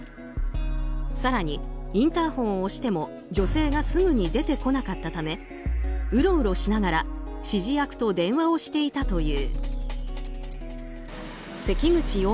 更に、インターホンを押しても女性がすぐに出てこなかったためうろうろしながら指示役と電話をしていたという。